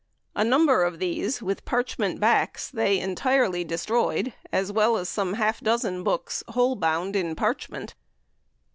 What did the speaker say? A number of these, with parchment backs, they entirely destroyed, as well as some half dozen books whole bound in parchment."